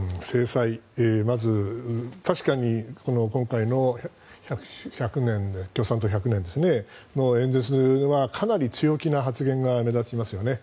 まず、確かに今回の共産党１００年の演説はかなり強気な発言が目立ちますよね。